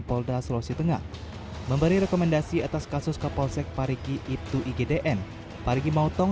polda sulawesi tengah memberi rekomendasi atas kasus kapolsek parigi ibtu igdn parigi mautong